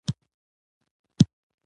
نجونې اوس په ډېر شوق سره ښوونځي ته ځي.